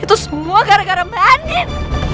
itu semua gara gara mbak andien